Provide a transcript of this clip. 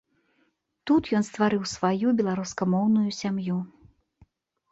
Тут ён стварыў сваю беларускамоўную сям'ю.